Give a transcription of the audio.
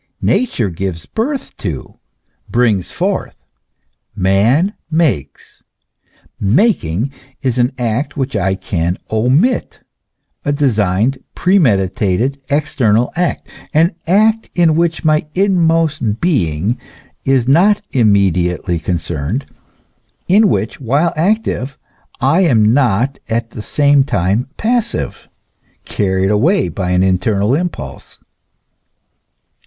Nature gives birth to, brings forth ; man makes. Making is an act which I can omit, a designed, premeditated, external act ; an act in which my inmost being is not immediately concerned, in which, while active, I am not at the same time passive, carried away by an internal impulse.